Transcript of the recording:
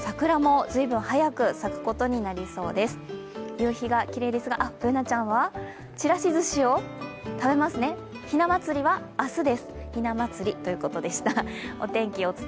夕日がきれいですがＢｏｏｎａちゃんはちらしずしを食べますね、ひなまつりは明日です。